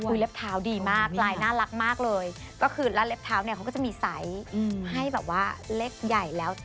คือเล็บเท้าดีมากลายน่ารักมากเลยก็คือแล้วเล็บเท้าเนี่ยเขาก็จะมีไซส์ให้แบบว่าเล็กใหญ่แล้ว